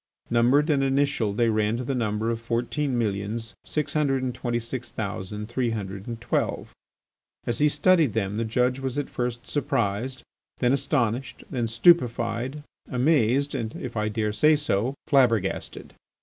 Numbered and initialed they ran to the number of fourteen millions six hundred and twenty six thousand three hundred and twelve. As he studied them the judge was at first surprised, then astonished, then stupefied, amazed, and, if I dare say so, flabbergasted.